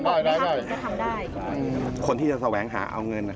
ไม่เกี่ยวนะครับไม่น่าจะเกี่ยว